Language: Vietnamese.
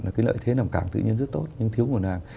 cái lợi thế làm cảng tự nhiên rất tốt nhưng thiếu nguồn hàng